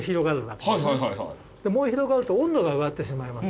燃え広がると温度が上がってしまいます。